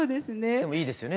でもいいですよね